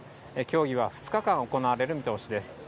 協議は２日間行われる見通しです。